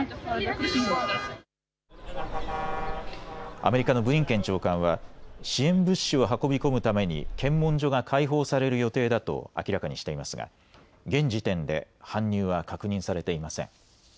アメリカのブリンケン長官は支援物資を運び込むために検問所が開放される予定だと明らかにしていますが現時点で搬入は確認されていません。